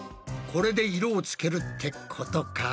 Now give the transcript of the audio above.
これで色をつけるってことか？